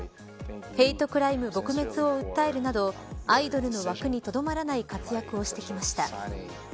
ヘイトクライム撲滅を訴えるなどアイドルの枠にとどまらない活躍をしてきました。